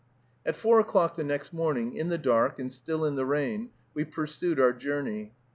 At four o'clock the next morning, in the dark, and still in the rain, we pursued our journey.